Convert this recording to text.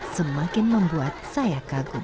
semakin membuat saya kagum